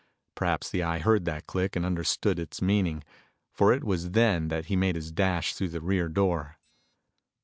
Perhaps the Eye heard that click and understood its meaning, for it was then that he made his dash through the rear door.